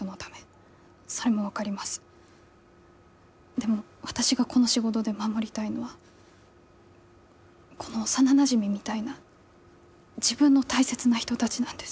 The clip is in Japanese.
でも私がこの仕事で守りたいのはこの幼なじみみたいな自分の大切な人たちなんです。